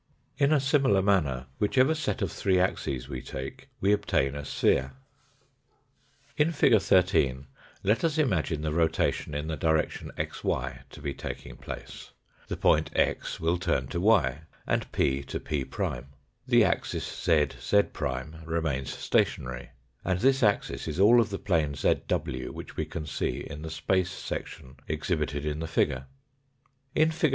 In a similar manner, whichever set of three axes we take, we obtain a sphere. p' Showing axes xyz y Fig. 13 (141). Fig. 14 (142). In fig. 13, let us imagine the rotation in the direction xy to be taking place. The point x will turn to y , and p to p'. The axis zz remains stationary, and this axis is all of the plane zw which we can see in the space section exhibited in the figure. In fig.